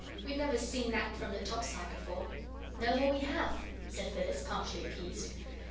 We've never seen that from the top side before." "No more we have," said Phyllis, partially appeased.